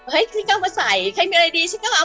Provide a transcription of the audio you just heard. เฮ้ยฉันก็เอามาใส่ใครมีอะไรดีฉันก็เอามาใส่